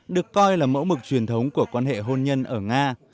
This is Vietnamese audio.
được coi là mẫu mực truyền thống của quan hệ hôn nhân ở nga